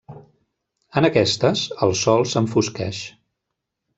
En aquestes, el sol s'enfosqueix.